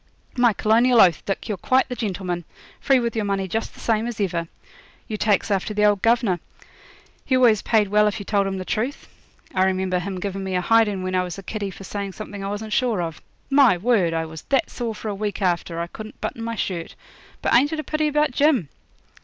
'My colonial oath, Dick, you're quite the gentleman free with your money just the same as ever. You takes after the old governor; he always paid well if you told him the truth. I remember him giving me a hidin' when I was a kiddy for saying something I wasn't sure of. My word! I was that sore for a week after I couldn't button my shirt. But ain't it a pity about Jim?'